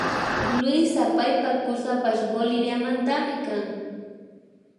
Luisa paypak kusapash Boliviamantami kan